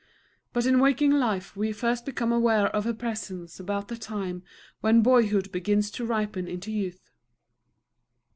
But in waking life we first become aware of her presence about the time when boyhood begins to ripen into youth.